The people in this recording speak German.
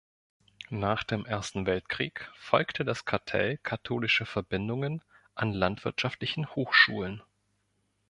Nach dem Ersten Weltkrieg folgte das Cartell katholischer Verbindungen an Landwirtschaftlichen Hochschulen.